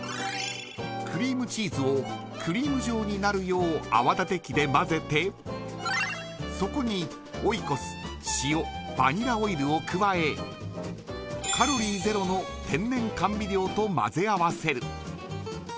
クリームチーズをクリーム状になるよう泡立て器で混ぜてそこにオイコス、塩バニラオイルを加えカロリーゼロの天然甘味料と混ぜ合わせる。